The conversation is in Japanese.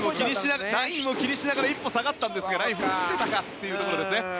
ラインを気にしながら一歩下がったんですがライン踏んでいたかというところですね。